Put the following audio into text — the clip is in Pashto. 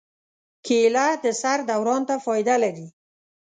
کېله د سر دوران ته فایده لري.